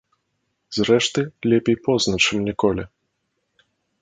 Зрэшты, лепей позна, чым ніколі.